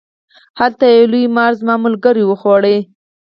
هلته یو لوی مار زما ملګری و خوړ.